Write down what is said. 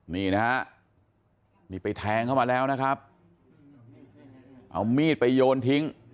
นี่นะฮะนี่ไปแทงเข้ามาแล้วนะครับเอามีดไปโยนทิ้ง